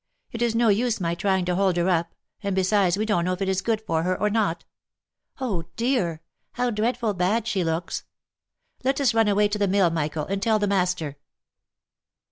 It is no use my trying to hold her up, and be sides we don't know if it is good for her or not. Oh dear! how dreadful bad she looks. Let us run away to the mill, Michael, and tell the master."